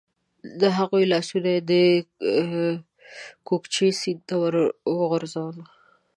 د هغوی لاسونه یې د کوکچې سیند ته ور وغورځول.